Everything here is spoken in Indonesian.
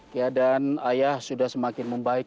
keadaan ayah sudah semakin membaik